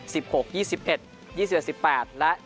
หกยี่สิบเอ็ดยี่สิบเอ็ดสิบแปดและ